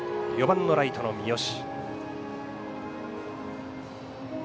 ４番ライトの三好。